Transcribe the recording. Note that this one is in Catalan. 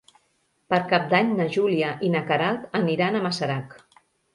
Per Cap d'Any na Júlia i na Queralt aniran a Masarac.